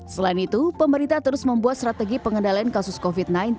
selain itu pemerintah terus membuat strategi pengendalian kasus covid sembilan belas